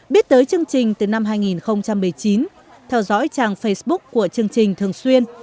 biết tới chương trình từ năm hai nghìn một mươi chín theo dõi trang facebook của chương trình thường xuyên